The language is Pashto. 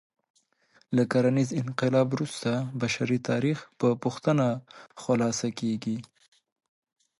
له کرنیز انقلاب وروسته بشري تاریخ په پوښتنه خلاصه کېږي.